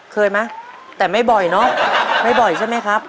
เคยมั้ยแต่ไม่บ่อยเนอะไม่บ่อยใช่มั้ยครับ